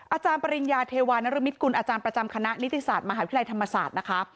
อาจารย์ปริญญาเทวานรมิตกุลอาจารย์ประจำคณะนิติศาสตร์มหาวิทยาลัยธรรมศาสตร์นะคะ